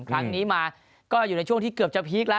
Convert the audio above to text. ครั้งนี้มาก็อยู่ในช่วงที่เกือบจะพีคแล้ว